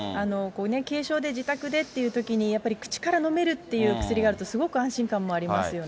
軽症で自宅でっていうときに、やっぱり口から飲めるっていう薬があると、すごく安心感もありますよね。